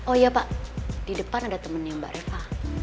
oh iya pak di depan ada temennya mbak reva